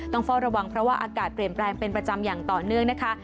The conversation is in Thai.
ต้องเฝ้าระวังเพราะว่าอากาศเปลี่ยนแปลงเป็นประจำอย่างต่อเนื่องนะคะ